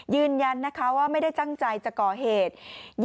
ยืนยันนะคะว่าไม่ได้ตั้งใจจะก่อเหตุ